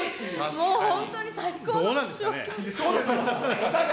もう本当に最高の状況です。